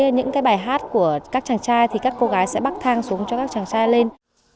những cái bài hát của các chàng trai thì các cô gái sẽ bác thang xuống cho các chàng trai lên